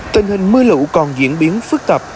tình hình mưa lũ còn diễn biến phức tạp